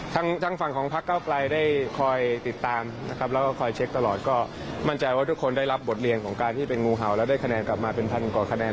ทั้งฝั่งของพักเก้าไกลได้คอยติดตามนะครับแล้วก็คอยเช็คตลอดก็มั่นใจว่าทุกคนได้รับบทเรียนของการที่เป็นงูเห่าแล้วได้คะแนนกลับมาเป็นพันกว่าคะแนน